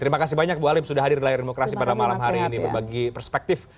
terima kasih banyak bu alim sudah hadir di layar demokrasi pada malam hari ini berbagi perspektif